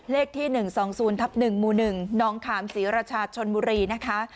เลขที่๑๒๐๑๐๑น้องขามศรีรชาชนบุรีนะคะ